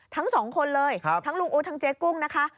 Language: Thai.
ทั้งสองคนเลยทั้งลุงอู๊ดทั้งเจ๊กุ้งนะคะ